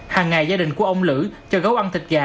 hàng ngày gia đình của ông lữ cho gấu ăn thịt gà